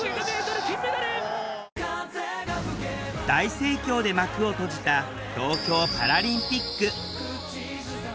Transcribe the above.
大盛況で幕を閉じた東京パラリンピック。